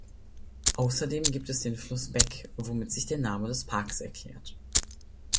Außerdem gibt es den Fluss Bek, womit sich der Name des Parks erklärt.